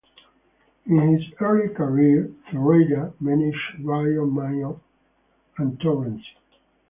In his early career, Ferreira managed Rio Maior and Torreense.